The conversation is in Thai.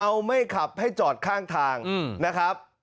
เอาไม่ขับให้จอดข้างทางนะครับ